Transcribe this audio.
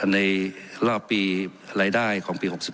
ในรอบปีรายได้ของปี๖๑